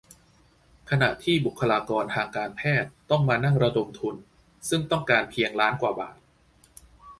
ขณะที่บุคลากรทางการแพทย์ต้องมานั่งระดมทุน ซึ่งต้องการเพียงล้านกว่าบาท :